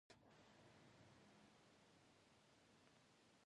Danielle refuses to believe it, afraid Dominique will kill him.